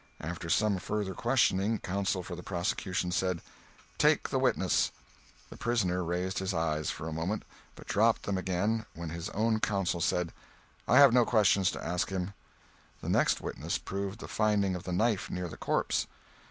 After some further questioning, counsel for the prosecution said: "Take the witness." The prisoner raised his eyes for a moment, but dropped them again when his own counsel said: "I have no questions to ask him." The next witness proved the finding of the knife near the corpse.